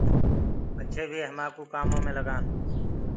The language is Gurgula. پڇي وي آمي همآڪوُ ڪآمو ڪمي لگآن۔